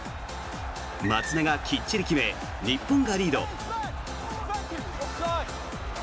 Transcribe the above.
松田がきっちり決め日本がリード。